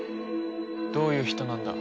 どういう人なんだ？